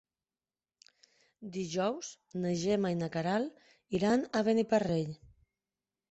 Dijous na Gemma i na Queralt iran a Beniparrell.